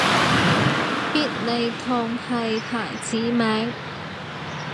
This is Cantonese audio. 必理痛係牌子名